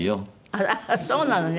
あらそうなのね。